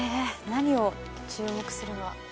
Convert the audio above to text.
何を注目すれば。